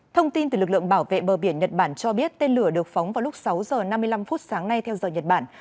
thông tin từ lực lượng bảo vệ bờ biển nhật bản cho biết tên lửa được phóng vào lúc sáu h năm mươi năm phút sáng nay theo giờ nhật bản